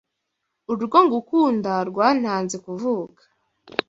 Urwo ngukunda rwantanze kuvuka